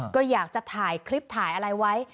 ก็อยากจะถ่ายคลิปถ่ายอะไรไว้